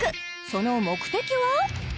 その目的は？